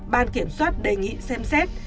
ban kiểm soát đề nghị xem xét